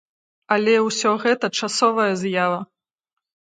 Але ўсё гэта часовая з'ява.